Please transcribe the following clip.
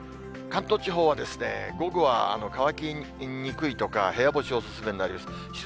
関東地方は午後は乾きにくいとか部屋干しお勧めになります。